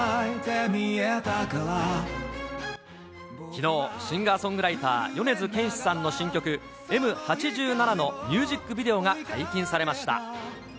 きのう、シンガーソングライター、米津玄師さんの新曲、Ｍ八七のミュージックビデオが解禁されました。